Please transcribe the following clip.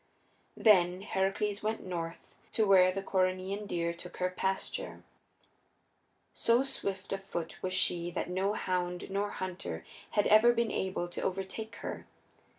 Then Heracles went north to where the Coryneian deer took her pasture. So swift of foot was she that no hound nor hunter had ever been able to overtake her.